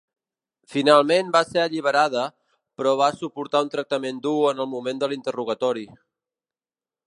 Finalment va ser alliberada, però va suportar un tractament dur en el moment de l'interrogatori.